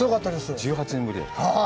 １８年ぶり。